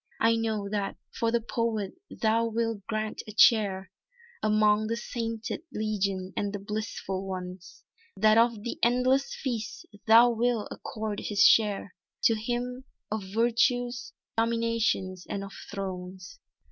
"I know that for the poet thou wilt grant a chair, Among the Sainted Legion and the Blissful ones, That of the endless feast thou wilt accord his share To him, of Virtues, Dominations and of Thrones."